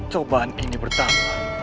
cobaan ini pertama